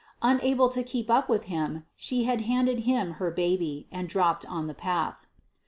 Unable to keep up with him, she had handed him her baby, and dropped on the path.